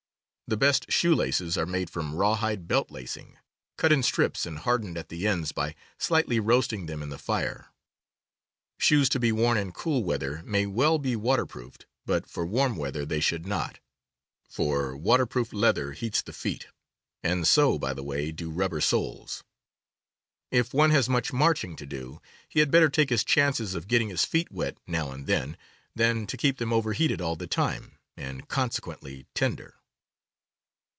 The best shoe laces are made from rawhide belt lacing, cut in strips and hardened at the ends by slightly roasting them in the fire. Shoes to be worn in cool weather may well be water proofed, but for warm weather they should not, for _,, waterproofed leather heats the feet; and ^, so, by the way, do rubber soles. If one * has much marching to do he had better take his chances of getting his feet wet now and then than to keep them overheated all the time, and con sequently tender.